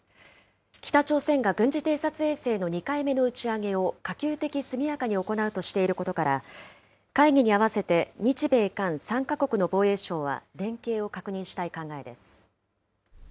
北朝鮮が軍事偵察衛星の２回目の打ち上げを、可及的速やかに行うとしていることから、会議に合わせて日米韓３か国の防衛相は連携を確認したい考えです。